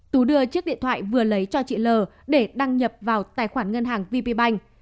tú đưa chiếc điện thoại vừa lấy cho chị l để đăng nhập vào tài khoản ngân hàng vp bank